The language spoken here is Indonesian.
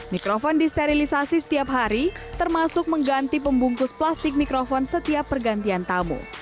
mikrofon disterilisasi setiap hari termasuk mengganti pembungkus plastik mikrofon setiap pergantian tamu